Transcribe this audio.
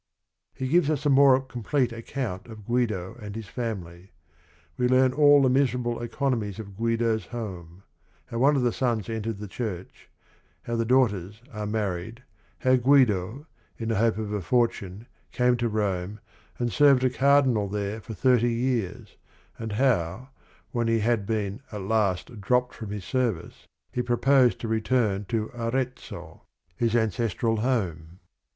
He gives us a more complete account of Guido and his family. We learn all the miserable econ omies of Guido's home; how one of the sons entered the church, how the daughters are mar ried, how Guido in the hope of a fortune came to Rome and served a cardinal there for thirty years, and how, when he had been at last dropped from his service, he proposed to return to Arezzo, his ancestral home.